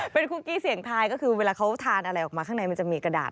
เป็นคุกกี้เสียงทายก็คือเวลาเขาทานอะไรออกมาข้างในมันจะมีกระดาษ